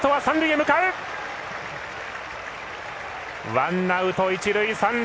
ワンアウト、一塁三塁。